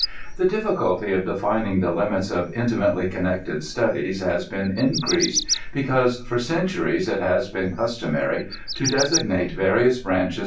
The difficulty of defining the limits of intimately connected studies has been increased, because for centuries it has been customary to designate various branches C2 58 COSMOS.